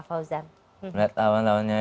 fauzan melihat lawan lawannya